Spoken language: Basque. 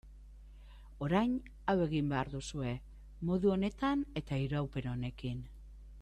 Orain hau egin behar duzue, modu honetan eta iraupen honekin.